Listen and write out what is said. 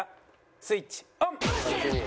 スイッチオン！